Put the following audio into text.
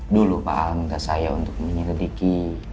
dulu pak al mengasah saya untuk menyelidiki